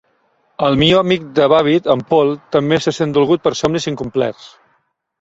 El millor amic de Babbitt, en Paul, també se sent dolgut per somnis incomplerts.